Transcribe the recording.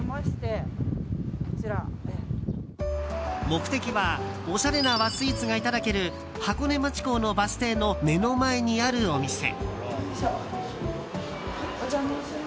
目的は、おしゃれな和スイーツがいただける箱根町港のバス停の目の前にあるお店。